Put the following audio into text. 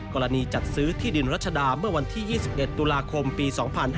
จัดซื้อที่ดินรัชดาเมื่อวันที่๒๑ตุลาคมปี๒๕๕๙